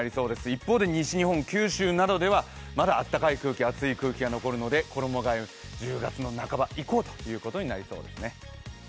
一方で西日本、九州などではまだ温かい空気、熱い空気が残るので衣がえ１０月の半ば以降ということになりそうですね。